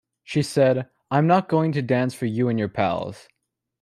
She said: 'I'm not going to dance for you and your pals.